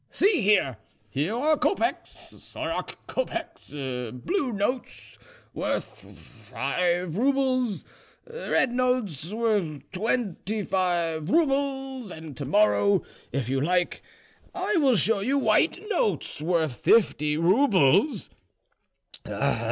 "See here, here are kopecks, sorok kopecks, blue notes worth five roubles, red notes worth twenty five roubles, and to morrow, if you like, I will show you white notes worth fifty roubles.